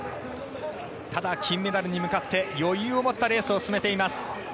ただ、金メダルに向かって余裕を持ったレースを進めています。